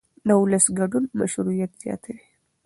د ولس ګډون مشروعیت زیاتوي